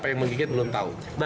ada luka di kakinya